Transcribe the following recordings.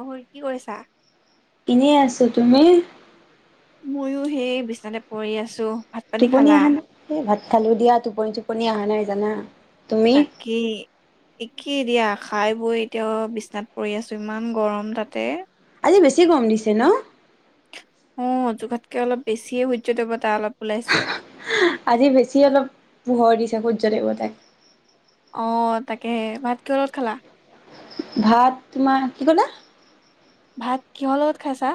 উম কি কৰিছা এনেই আছো তুমি ময়ো সেই বিচনাতে পৰি় আছো ভাত পানী টোপনি খালা? অহা নাই এই ভাত খালো দিয়া টোপনি টোপনি আহা বাই জানা তুমি তাকে কি দিয়া খাই বৈ এতিয়া বিচনাত পৰি আছো ইমান গৰম তাতে আজি বেছি গম দিছে ন অ জোখতকে অলপ বেছিয়ে সূৰ্য দেৱতা অলপ ওলাইছে আজি বেছি অলপ পোহৰ দিছে খো ধনি বাদাই অ তাকেহে ভাত কিহৰ লগত খালা ভাত তোমাৰ কি ক'লো ভাত কিহৰ লগত খাইছা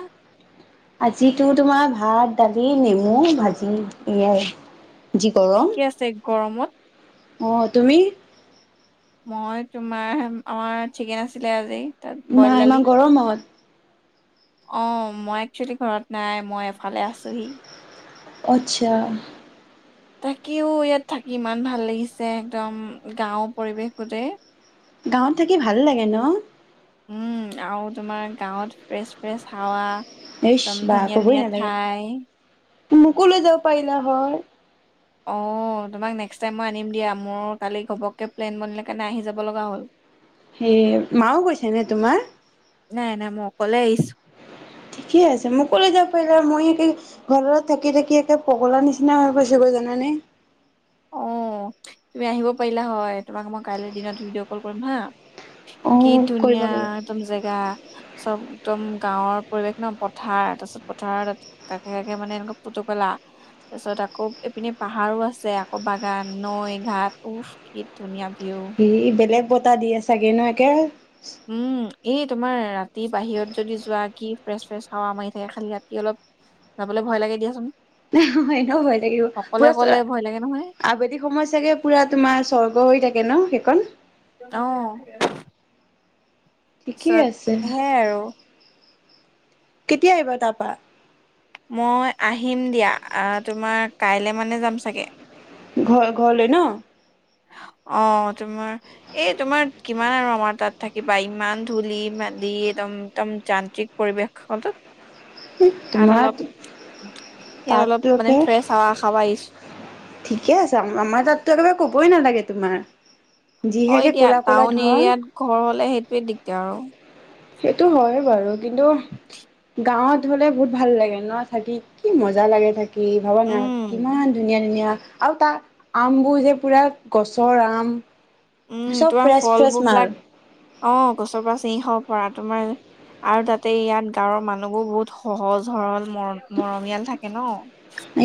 আজিতো তোমাৰ ভাত দালি নেমু ভাজি এয়াই যি গৰম ঠিকে আছে গৰমত অ তুমি মই তোমাৰ আমাৰ চিকেন আছিলে আজি তাত বইল মাহ দালি ইমাহ গৰমত অ মই একচুৱেলি ঘৰত নাই মই এফালে আছোহি অ আচ্ছা তাকে ও ইয়াত থাকি ইমান ভাল লাগিছে একদম গাঁও পৰিৱেশ গোটেই গাঁৱত থাকি ভাল লাগে ন উম, আৰু তোমাৰ গাঁৱত ফ্ৰেছ ফ্ৰেছ হাৱা ইচ একদম ধুনীয়া ধুনীয়া ঠাই মোকোলৈ যাব পাৰিলা হয় অ, তোমাক নেক্সট টাইম মই আনিম দিয়া, মোৰ কালি ঘপককে প্লেন বনিলে কাৰণে আহি যাব লগা হ'ল। হে, মা ও গৈছে নে তোমাৰ? নাই-নাই, মই অকলে আহিছোঁ। ঠিকে আছে, মোক লৈ যাব পাৰিলা হয়, মই একে ঘৰত থাকি-থাকি, একে পগলা নিচিনা হৈ গৈছো গৈ, জানানে? অ, তুমি আহিব পাৰিলা হয়, তোমাক মই কাইলে দিনত ভিডিঅ' কল কৰিম হা অ কি কৰিব ধুনীয়া গ'লে। একদম জেগা, চব একদম গাঁৱৰ পৰিৱেশ ন, পথাৰ তাৰপিছত পথাৰত কাষে-কাষে মানে এনেকুৱা পুতুপলা, তাৰ পিছত আকৌ ইপিনে পাহাৰো আছে। আকৌ বাগান, নৈ, ঘাট উফ কি ধুনীয়া। ভিউ। ই বেলেগ ব বতাহ দিয়ে চাগে, ন এতিয়াও উম, এই তোমাৰ ৰাতি বাহিৰত যদি যোৱা, কি ফ্ৰেছ-ফ্ৰেছ হাৱা মাৰি থাকে, খালি ৰাতি অলপ যাবলৈ ভয় লাগে দিয়াচোন। এনেও ভয় থাকিব, অকলে পুৰা অকলে ভয় লাগে নহয় আবেলিক সময়ত চাগে পুৰা তোমাৰ স্বৰ্গ হৈ থাকে ন সেইখন তাৰ পিছত, সেই আৰু কেতিয়া আহিবা তাৰপা? মই আহিম দিয়া, তোমাৰ, কাইলে মানে যাম চাগে? ঘ-ঘৰলৈ ন অ, তোমাৰ, এই তোমাৰ কিমান আৰু আমাৰ তাত থাকিবা, ইমান ধূলি-বালি একদম-একদম যান্ত্ৰিক পৰিৱেশত। তাত তোমাৰ অলপ ইয়াত অলপ তাততো মানে একে, ফ্ৰেছ হাৱা খাব আহিছো ঠিকে আছে, আমাৰ তাততো একেবাৰে কবই নালাগে। তোমাৰ হয় যিহেকে দিয়া, ক'লা ক'লা টাউন ধোঁৱা এৰিয়াত ঘৰ হ'লে সেইটোৱে দিগদাৰ আৰু সেইটো হয় বাৰু, কিন্তু গাঁৱত হলে বহুত ভাল লাগে ন থাকি, কি মজা লাগে থাকি। কি ভাৱনা, উম, কিমান ধুনীয়া-ধুনীয়া? আৰু তাৰ আমবোৰ যে পুৰা গছৰ আম উম, চব তোমাৰ ফ্ৰেছ ফ্ৰেছ ফলবোৰ মাল বিলাক, অ গছৰ পৰা ছিঙি খাব পাৰা তোমাৰ, আৰু তাতে ইয়াত গাঁৱৰ মানুহবোৰ বহুত সহজ সৰল। ম মৰমীয়াল থাকে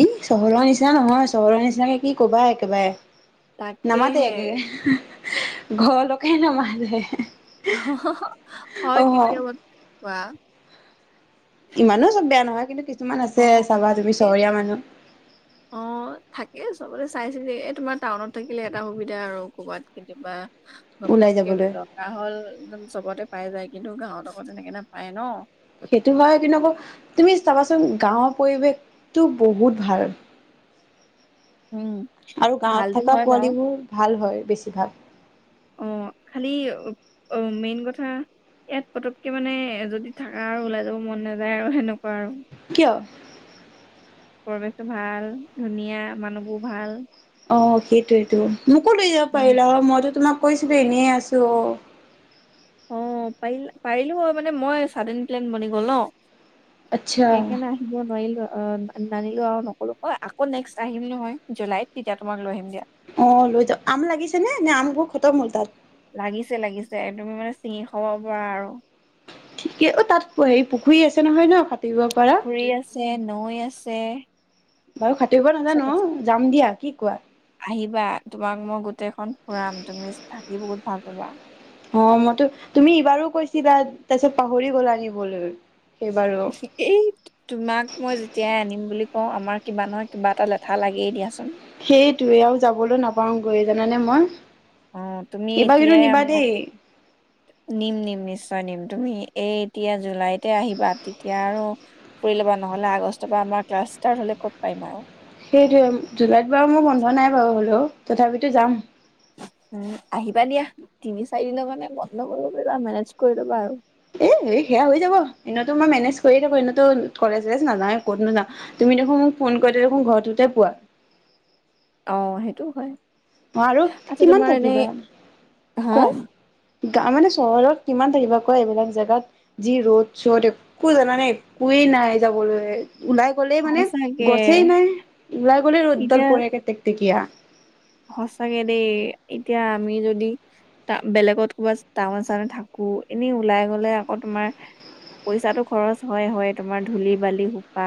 এই চহৰৰ নিচিনা নহয়, চহৰৰ নিচিনাকে কি কবা একেবাৰে নামাতে তাকেহে একে ঘৰলৈকে নামাতে অ হয়, কেতিয়াবা কোৱা ইমানো চব বেয়া নহয়, কিন্তু কি কিছুমান আছে, অ চাবা তুমি এই চহৰীয়া মানুহ অ থাকে চবতে চাইছিলে, এই তোমাৰ টাউনত থাকিলে এটা সুবিধা হয় আৰু ক'ৰবাত কেতিয়াবা ওলাই ঘপককে যাবলৈ দৰকাৰ হ'ল, একদম চবতে পাই যায়। কিন্তু, গাঁৱত আকৌ তেনেকে নপায় ন সেইটো হয়, কিন্তু আকৌ তুমি চাবাচোন গাঁৱৰ পৰিৱেশতটো বহুত ভাল। উম আৰু গাঁৱত ভালতো থকা হয় বাৰু পোৱালীবোৰ ভাল হয়। বেছিভাগ অ খালি অ মেইন কথা ইয়াত পতককে মানে যদি থকা আৰু ওলাই যাব মন নাযায় আৰু সেনেকুৱা আৰু কিয়? পৰিৱেশটো ভাল ধুনীয়া মানুহবোৰ ভাল। অ সেইটোৱেইটো। মোক ক' লৈ যাব উম পাৰা মই তোমাক কৈছিলো এনেই আছোঁ অঁ অ পাৰিল পাৰিলো মানে মই চডেন প্লেন বনি গল আচ্ছা ন সেইকাৰণে আহিব নোৱাৰিলো আৰু অ নানিলো আৰু নকললো কই আকৌ নেক্সট আহিম নহয় জুলাইত তেতিয়া তোমাক লৈ আহিম দিয়া। অ লৈ যা আম লাগিছে নে নে আম বোৰ খতম হ'ল তাত লাগিছে লাগিছে একদমি মানে চিঙি খাব পৰা আৰু ঠিকে অ তাত হেৰি পুখুৰী আছে নহয় ন সাঁতুৰিব পাৰা পুখুৰী আছে নৈ আছে। বাৰু হাতুৰীব চব নাজানো অ আছে যাম দিয়া কি? কোৱা। আহিবা তোমাক মই গোটেই গোটেইখন ফুৰাম তুমি কোৱা অ মইতো তুমি ইবাৰো কৈছিলা তাৰপিছত পাহৰি গ'লা আহিবলৈ। এই তোমাক মই যেতিয়াই আনিম বুলি ক আমাৰ কিবা নহয় কিবা এটা লেঠা লাগিয়েই দিয়াচোন। সেইটোৱে আৰু যাবলৈ নাপাওঁ গৈ জানানে মই, অ তুমি এইবাৰ কিন্তু এতিয়াই নিবা ম দেই নিম নিম নি, নিশ্চয় নিম তুমি এই এতিয়া জুলাইতে আহিবা তেতিয়া আৰু ফুৰি ল'বা নহলে আগষ্টৰ পৰা আমাৰ ক্লাছ ষ্টাৰ্ট হলে ক'ত পাৰিম আৰু সেইটো জুলাইত বাৰু মই বন্ধ নাই বাৰু হলেও তথাপিতো যাম। উম আহিবা দিয়া তিনি চাৰি দিনৰ কাৰানে বন্ধ কৰিব পাৰিবা মেনেজ কৰি ল'বা আৰু এ এই সেয়া হৈ যাব এনেইতো মই মেনেজ কৰিয় থাকো এনেতো কলেজ চলেজ নাযায ক'তনোযাওঁ তুমি দেখোন মোক ফোন কৰি দেখোন ঘৰটোতে পোৱা অঁ সেইটোও হয়। অ আৰু আচ্ছা কিমান তোমাৰ এনে থাকিব হা কোৱা। গা মানে চহৰত কিমান থাকিবা কোৱা এইবিলাক জোগাত যি ৰ'দ চ'দ একো জানানে একোৱে নাই যাবলৈ ওলাই গ'লেই মানে সঁচাকে গছেই নাই ওলাই গ'লে ৰ'দডাল পৰে টেকটেকীয়া সচাঁকে দেই এতিয়া আমি যদি বেলেগত কবাত টাউন চাউন থাকো এনে ওলাই গলে আকৌ তোমাৰ পইচাটো খৰচ হয় হয় তোমাৰ ধূলি বালি সোপা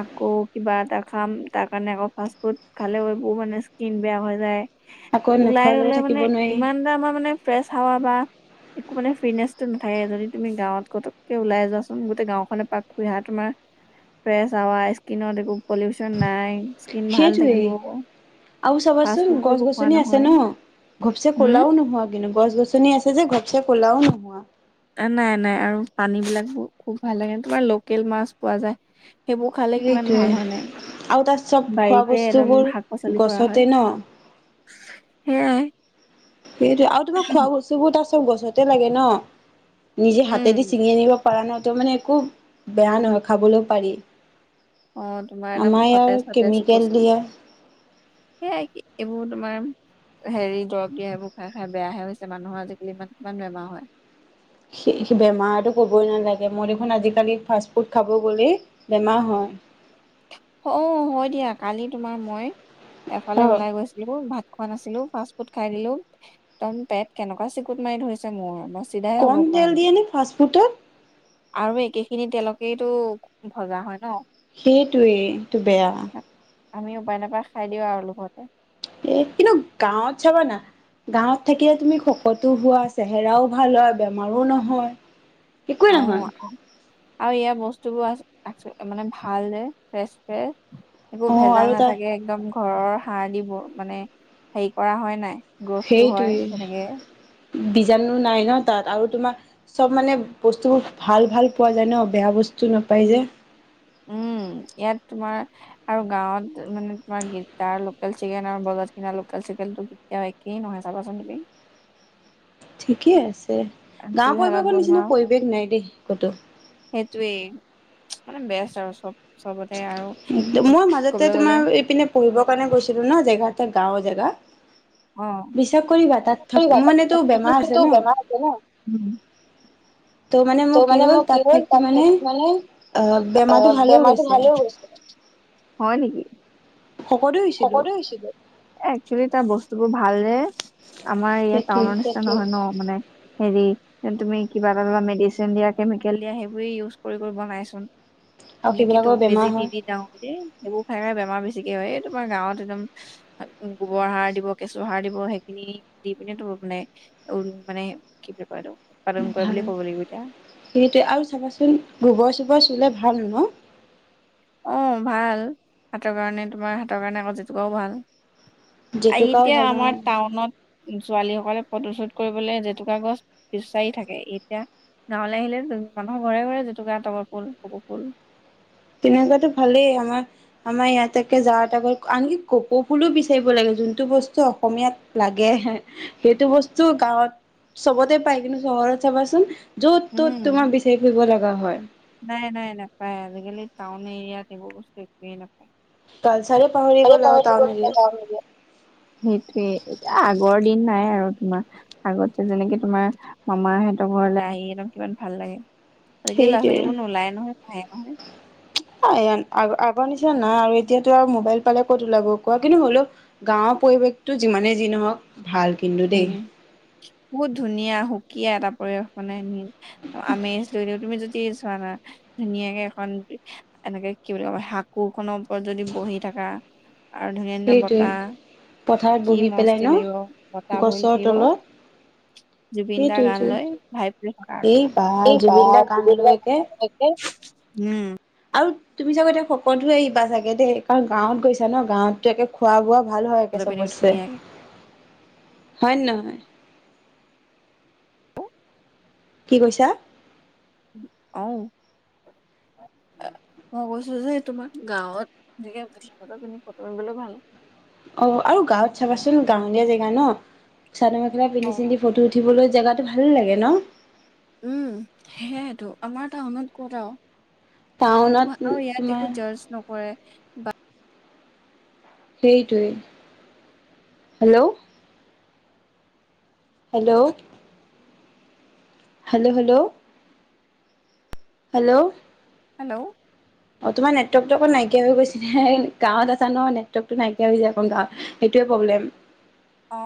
আকৌ কিবা এটা খাম তাৰ কাৰণে আকৌ ফাষ্ট ফুড খালেবোৰ মানে। ইচকিন বেয়া হৈ যায়। আকৌ ওলাই নোখোৱা লৈ গলে থাকিব মানে নোৱাৰি ইমান এটা আমাৰ মানে ফ্ৰেছ হাৱা বা। একো মানে ফিটনেচটো নাথাকে যদি তুমি গাঁৱত কটোকে ওলাই যোৱাচোন গোটেই গাওখনে পাক খুহা তোমাৰ ফ্ৰেছ হাৱা ইস্কনত একো পলিউচন নাই। ইস্কন ভাল থাকিব। সেইটোৱেই। আৰু ফাষ্ট চাবাচোন ফুডটো গছ একো খোৱা গছনি আছে নহয় ন ঘপচে হম ক'লাও নোহোৱা কিন্তু গছ গছনি আছে যে হে কলা নোহোৱা নাই নাই আৰু পানী বিলাক খুব ভাল লাগে তোমাৰ লোকেল মাছ পোৱা যায়। সেইবোৰ খালে কিমান ভাল হয় নাই আৰু তাত চব খোৱা বাৰীতে একদম বস্তুবোৰ শাক পাচলি কৰা গছতে হয়। ন সেয়াই সেইটো আৰু তোমাৰ খোৱা বস্তুবোৰ তাৰ চব গছতে লাগে ন নিজে হাতেদি উম ছিঙি আনিব পৰা ন ত মানে খুব বেয়া নহয় খাবলৈ পাৰি অ তোমাৰ একদম আমাৰ ইয়াৰ সতেজ সতেজ কেমিকেল বস্তু দিয়ে সেয়াই কি এইবোৰ তোমাৰ হেৰি দৰব দিয়া এইবোৰ খাই খাই বেয়াহে হৈছে মানুহৰ আজিকালি ইমান কিমান বেমাৰ হয় সে বেমাৰটো ক'বই নালাগে মই দেখোন আজিকালি ফাষ্টফুড খাব গ'লেই বেমাৰ হয় অ হয় দিয়া কালি তোমাৰ মই অ এফালে ওলাই গৈছিলো ব ভাত খোৱা আছিলো ফাষ্ট ফুড খাই দিলো একদম পেট কেনেকুৱা চিকুত মাৰি ধৰিছে মোৰ চিধাই হ'ব কম পৰা তেল নাই দিয়ে নে ফাষ্ট ফুডত আৰু একেখিনিত তেওঁলোকেই ভজা হয় ন সেইটোৱে এইটো বেয়া আমি উপায় নাপায় খাই দিওঁ আৰু লোভতে এ কিন্তু গাঁৱত চাবা না গাঁৱত থাকিলে তুমি শকতো হোৱা চেহেৰাও ভাল হয় বেমাৰো নহয় একোৱেই অ নহয় আৰু এয়া বস্তু তো আছে মানে ভাল ফ্ৰেছ ফ্ৰে একো অ আৰু ভেজাল তাৰ নাথাকে একদম ঘৰৰ শা সাৰ দিব মানে হেৰি কৰা হয় নাই গ্ৰথটো হয় সেইটোৱে তেনেকে বীজাণু নাই ন তাত আৰু তোমাৰ চব মানে বস্তুবোৰ ভাল ভাল পোৱা যায় ন বেয়া বস্তু নাপাই যে উম ইয়াত তোমাৰ আৰু গাঁৱত মানে তোমাৰ গোটাৰ লোকেল চিগেল আৰু বজত ক লোকেল চিকেনটো একেই নহয় চাবাচোন তুমি ঠিকে আছে গাঁওৰ জুইশালত পৰিৱেশৰ বনোৱা নিচিনা পৰিৱেশ নাই দেই কুতো সেইটোৱেই মানে বেচ আৰু চব চবতে আৰু মই মাজতে ক'বলৈ গ'লে তোমাৰ ইপিনে পঢ়িবৰ কাৰণে গৈছিলো ন জেগাত এতে গাঁৱ জেগা অো বিশ্বাস কৰিবা তাত থাক মোৰ মানেতো বেমাৰ আছে ন বেমাৰ আছে ন উ ত' মানে মোৰ কি হ'ল তাত থাকি মানে অ বেমাৰটো ভালেও গৈছে ভাল হৈছে হয় নেকি শকতো হৈছিলো শকত ও হৈছিলো একচেলি তাৰ বস্ত তোৰ ভালনে আমাৰ ইয়াত টাউন সেইটোৱে নিচিনা নহয় ন মানে হেৰি, তুমি কিবা এটা ধৰা মেডিচিন দিয়া কেমিকেল দিয়া সেইবোৰে উজ কৰি কৰি বনাইচোন। আৰু এনেক তো সেইবিলাকৰ বেমাৰ বেজি দি হয় দি যাওঁ দেই সেইবোৰ খাই খাই বেমাৰ বেচাৰ বেছিকে হয় তোমাৰ গাঁৱত একদম গোবৰ সাৰ দিব কেঁচু সাৰ দিব সেইখিনি দি পিনে তো মানে উ মানে কি বুলি কয়টো ভাল সেইটোৱে আৰু চাবাচোন গোবৰ চোবৰ চুলে ভাল ন অ ভাল হাতৰ কাৰণে তোমাৰ হাতৰ কাৰণে আকৌ জটুকাও ভাল। জেতুকাও ভাল নহয় ছোৱালী সকলে ফটোচুত কৰিবলৈ জেতুকা গছ বিচাৰি থাকে এতিয়া গাঁৱলৈ আহিলে মানুহৰ ঘৰে ঘৰে জেতুকা তগৰ ফুল কপৌ ফুল তেনেকুৱাতটো ভালেই আমাৰ আমাৰ ইয়াত তাকে যাৱ তে আনকি কপৌ ফুলো বিচাৰিব লাগে যোনটো বস্তু অসমীয়াত লাগে সেইটো বস্তু গাঁৱত চবতে পাই কিন্তু চহৰত চাবাচোন য'ত ত'ত উম তোমাৰ বিচাৰি ফুৰিব লাগে। লগা হয় নাই নাই নাপায় আজিকালি টাউন এৰিয়াত এইবোৰ বস্তু একোৱে নাপায় কালচাৰে পাহৰি গ'ল আৰু টাউন এৰিয়াত সেইটোৱে আগৰ দিন নাই আৰু তোমাৰ আগতে যেনেকে তোমাৰ মামা সতৰ ঘৰলৈ আহি কিমান ভাল লাগে, তাকে ল'ৰা ছোৱালী বোৰ সেইটোৱে কোনো ওলাই নহয় খোৱায়ে নহয়। পা নাই আৰু এতিয়াতো আৰু মোবাইল পালে ক'ত ওলাব কোৱা কিন্তু হ'লেলও গাঁৱৰ পৰিৱেশতটো যিমানেই যি নহওক- ভাল কিন্তু উম দেই- বহুত ধুনীয়া সুকীয়া এটা পৰিৱেশ মানে নিল- আমেজ লৈ দিওঁ তুমি যদি। চোৱা না ধুনীয়াকে এখন এনেকে কি বুলি ক শাকোখনৰ ওপৰত যদি বহি থাকা। আৰু ধুনীয়া ধুনীয়া সেইটোৱে। বতাহ পথাৰত কি বহি মজ পেলাই ন লাগিব। বতাহ ভৰি গছৰ উঠিব তলত জুবিন দাৰ গান সেইটোৱেটো। লৈ ভাই প থকা এই বা জুবিন দা গান আৰু লৈ একে এই। উম আৰু তুমি চাগ এতিয়া সকলোৱে আহিবা চাগে দেই কাৰণ গাঁৱত গৈছা ন গাঁৱতো একে খোৱা বোৱা। ভাল হয়ে চাদৰ পিন্ধি চবে ধুনীয়াকে হয় নে নহয়। কি কৈছা। অঊ, মই কৈছো যে তোমাৰ গাঁৱতকে প পিন্ধি ফটো আন্ধলৈ ভাল। অ আৰু গাঁৱত চাবাচোন গাঁৱলীয়া জেগা ন। চাদ মেখা অ পিন্ধ চিনদি ফটো। উঠিবলৈ জেগাতটো ভাল লাগে ন। উম সেইয়েতো আমাৰ টাউনত কতও। একো টাউনত আৰু ইয়াত তোমাৰ একো জাৰজ নকৰে। ব সেইটোৱে, hello. Hello hello hello hello hello অ, তোমাৰ নেটৱৰ্কতো অকণ নাইকিয়া হৈ গৈছে। গাঁৱত আছা ন, নেটৱৰ্কটো নাইকিয়া হৈ যায় অকণ গাঁৱত। সেইটোৱে প্ৰব্লেম। অ,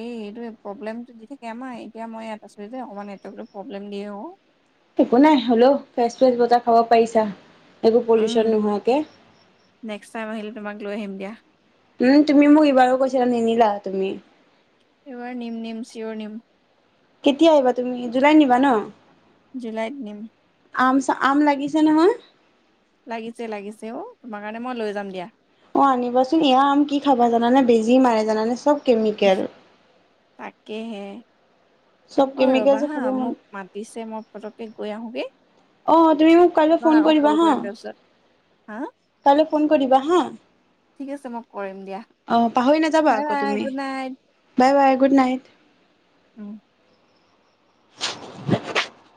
এই এইটোৱে প্ৰব্লেমটো দি থাকে আমাৰ। এতিয়া মই ইয়াত আছোঁ যে অকণমান নেটৱৰ্কটো প্ৰব্লেম দিয়ে অ। একো নাই হলেও ফ্ৰেচ-ফেচ বতাহ খাব পাৰিছা। একো পলিউচন উম নোহোৱাকে। নেক্সট টাইম আহিলে তোমাক লৈ আহিম দিয়া উম, তুমি মোক এইবাৰো কৈছিলা নিনি উ তুমি। এইবাৰ নিম নিম চিঞৰ নিম। কেতিয়া আহিবা তুমি? জুলাইত নিবা ন? জুলাইত নিম। আম চ আম লাগিছে নহয়? লাগিছে লাগিছে অ, তোমাৰ কাৰণে মই লৈ যাম দিয়া। অ আনিবাচোন। এয়া আম কি খাবা জানানে বেজি মাৰে জানানে, চব। কেমিকেল তাকেহে। চব অ কেমিকেল ৰবা যে হা, খাব মন মোক মাতিছে মই ফটক গৈ আহোঁ গে। অ তুমি মোক কাইলৈ ফোন কৰিবা হা। তাৰপিছত হা কাইলৈ ফোন কৰি দিবা হা। ঠিক আছে মই কৰিম দিয়া অ পাহৰি নাযাবা বাই আকৌ বাই তুমি। Good night bye bye good night. উম [unintelligible]